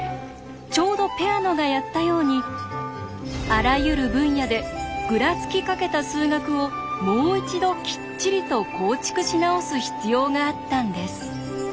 ちょうどペアノがやったようにあらゆる分野でぐらつきかけた数学をもう一度きっちりと構築し直す必要があったんです。